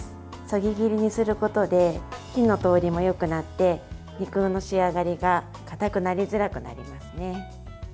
そぎ切りにすることで火の通りもよくなって肉の仕上がりがかたくなりづらくなりますね。